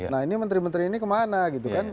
nah ini menteri menteri ini kemana gitu kan